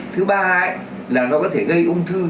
thứ ba là nó có thể gây ung thư